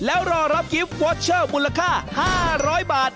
แล้วรอรับกิฟต์วอเชอร์มูลค่า๕๐๐บาท